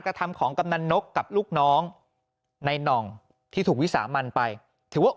กระทำของกำนันนกกับลูกน้องในน่องที่ถูกวิสามันไปถือว่า